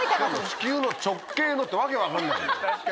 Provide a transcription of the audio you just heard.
地球の直径のって訳わかんない。